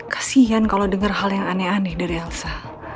kasihan kalau denger hal yang aneh aneh dari elsa